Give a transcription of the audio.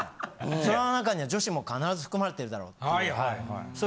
その中には女子も必ず含まれてるだろうっていうはい。